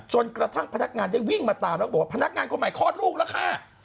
จนกระทั่งพนักงานีจะวิ่งมาตามพนักงานคนไหมคลอดลูกละค่ะ